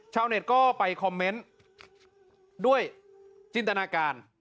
ชาวเน็ตก็ไปคอมเมนต์ด้วยจินตนาการ